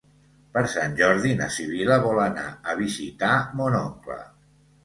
Per Sant Jordi na Sibil·la vol anar a visitar mon oncle.